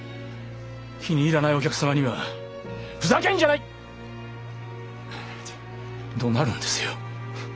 気に入らないお客様には「ふざけんじゃない！」ってどなるんですよ。